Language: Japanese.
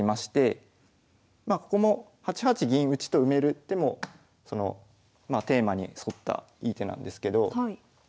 まあここも８八銀打と埋める手もテーマに沿ったいい手なんですけどまあ